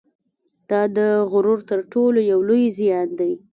دا د غرور تر ټولو یو لوی زیان دی